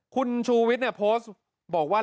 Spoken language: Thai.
คุณชูวิสเนี่ยโพสต์บอกว่า